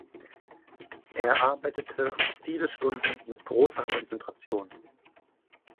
Er arbeitete „viele Stunden mit großer Konzentration“.